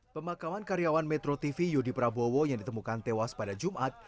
pemakaman karyawan metro tv yudi prabowo yang ditemukan tewas pada jumat